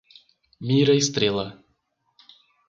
Mira Estrela